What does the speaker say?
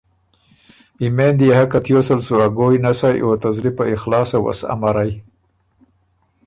یمېند يې هۀ که تیوس ال سُو ا ګویٛ نسئ او ته زلی په اخلاصه وه سُو امرئ۔